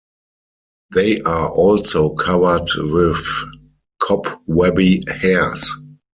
They are also covered with cobwebby hairs.